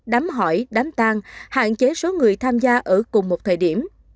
đắm hỏi đám tan hạn chế số người tham gia ở cùng một thời điểm